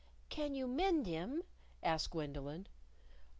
"Can you mend him?" asked Gwendolyn.